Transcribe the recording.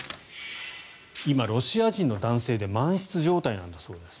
今、ロシア人の男性で満室状態なんだそうです。